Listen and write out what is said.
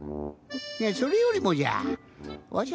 それよりもじゃわしゃ